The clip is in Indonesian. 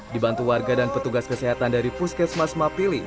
dibantu warga dan petugas kesehatan dari puskesmas mapili